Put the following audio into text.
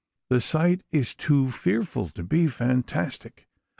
The sight is too fearful to be fantastic.